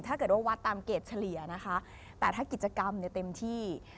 ถ้าเกิดว่าวัดตามเกรดเฉลี่ยนะคะแต่ถ้ากิจกรรมเนี่ยเต็มที่